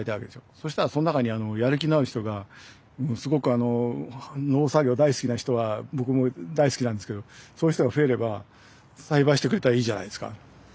そしたらその中にやる気のある人がすごく農作業大好きな人が僕も大好きなんですけどそういう人が増えれば栽培してくれたらいいじゃないですか。